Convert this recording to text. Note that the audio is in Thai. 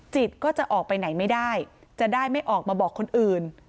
จิตก็จะออกไปไหนไม่ได้จะได้ไม่ออกมาบอกคนอื่น